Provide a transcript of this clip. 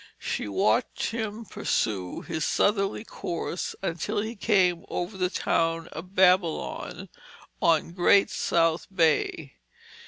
She watched him pursue his southerly course until he came over the town of Babylon on Great South Bay.